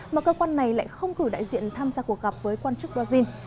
mà cơ quan này lại không cử đại diện tham gia cuộc gặp với quan chức brazil